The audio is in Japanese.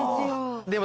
でも。